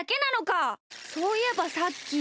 そういえばさっき。